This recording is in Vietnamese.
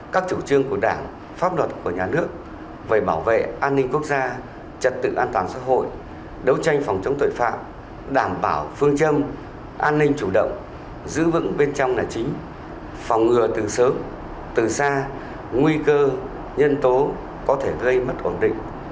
các chủ trương của đảng pháp luật của nhà nước về bảo vệ an ninh quốc gia trật tự an toàn xã hội đấu tranh phòng chống tội phạm đảm bảo phương châm an ninh chủ động giữ vững bên trong là chính phòng ngừa từ sớm từ xa nguy cơ nhân tố có thể gây mất ổn định